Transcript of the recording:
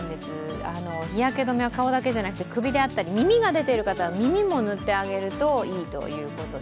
日焼け止めは顔だけじゃなくて首だったり耳が出ている方は耳も塗ってあげるといいということで。